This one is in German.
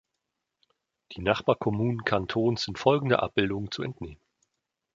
Die Nachbarkommunen Cantons sind folgender Abbildung zu entnehmen.